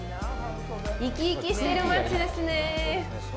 生き生きしてる街ですね。